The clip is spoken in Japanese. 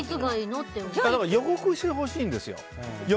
予告してほしいんですよ。